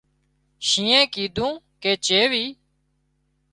شينهنئي ڪيڌون ڪي چيوي